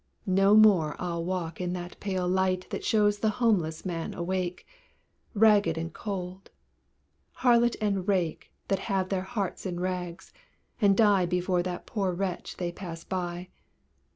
No more I'll walk in that pale light That shows the homeless man awake, Ragged and cold; harlot and rake, That have their hearts in rags, and die Before that poor wretch they pass by.